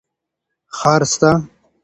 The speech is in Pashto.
ښار سته.